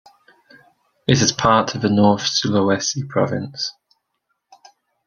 It is part of the North Sulawesi province.